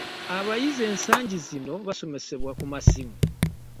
Abayizi ensangi zino basomesebwa ku massimu.